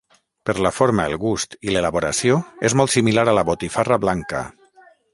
Per la forma, el gust i l’elaboració, és molt similar a la botifarra blanca.